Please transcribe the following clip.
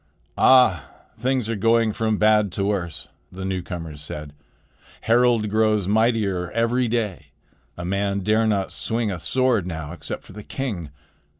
"Ah! things are going from bad to worse," the newcomers said. "Harald grows mightier every day. A man dare not swing a sword now except for the king.